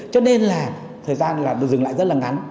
cho nên là thời gian rừng lại rất là ngắn